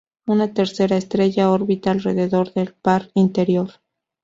Una tercera estrella orbita alrededor del par interior.